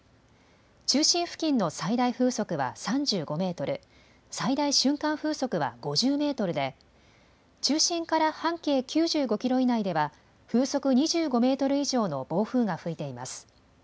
中心付近の最大風速は３５メートル、最大瞬間風速は５０メートルで中心から半径９５キロ以内では風速２５メートル以上の暴風が吹いています。